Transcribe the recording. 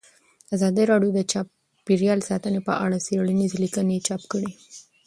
ازادي راډیو د چاپیریال ساتنه په اړه څېړنیزې لیکنې چاپ کړي.